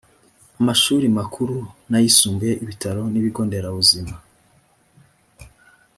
amashuri makuru n ayisumbuye ibitaro n ibigo nderabuzima